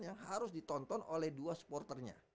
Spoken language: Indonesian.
yang harus ditonton oleh dua supporternya